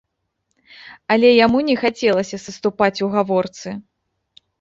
Але яму не хацелася саступаць у гаворцы.